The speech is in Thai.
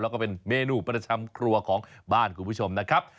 แล้วก็เป็นเมนูประจำครัวของบ้านคุณผู้ชมนะครับ